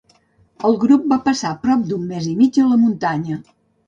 El grup va passar prop d'un més i mig a la muntanya.